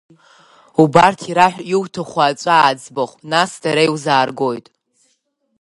Убарҭ ираҳә иуҭаху аҵәа аӡбахә, нас дара иузааргоит.